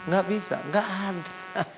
gak bisa gak ada